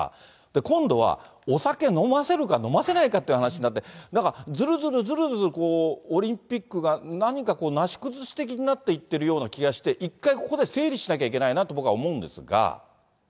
今度はお酒飲ませるか飲ませないかっていう話になって、なんかずるずるずるずるオリンピックが、何かなし崩し的になっていってるような気がして、一回ここで整理しなきゃいけないなと、僕は思うんですが。